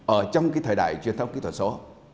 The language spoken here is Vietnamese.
ở trong cái thời đại truyền thông kỹ thuật số